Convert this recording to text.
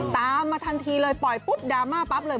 ตามมาทันทีเลยปล่อยปุ๊บดราม่าปั๊บเลย